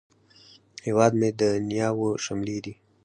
هیواد مې د نیاوو شملې دي